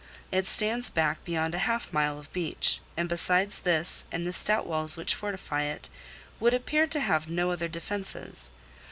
It stands back beyond a half mile of beach, and besides this and the stout Walls which fortify it, would appear to have no other defences.